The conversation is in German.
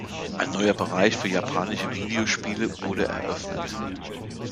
Ein neuer Bereich für japanische Videospiele wurde eröffnet.